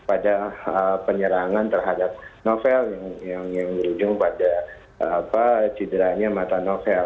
pada penyerangan terhadap novel yang berujung pada cederanya mata novel